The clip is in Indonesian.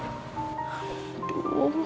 aduh tapi ini kamu demam banget